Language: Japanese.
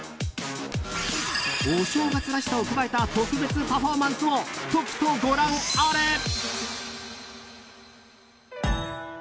お正月らしさを加えた特別パフォーマンスをとくとご覧あれ。